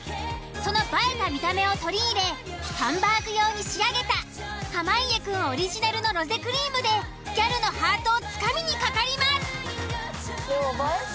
その映えた見た目を取り入れハンバーグ用に仕上げた濱家くんオリジナルのロゼクリームでギャルのハートをつかみにかかります。